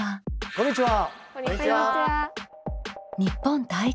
こんにちは。